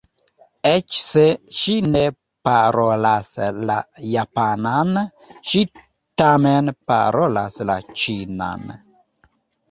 Eĉ se ŝi ne parolas la japanan, ŝi tamen parolas la ĉinan.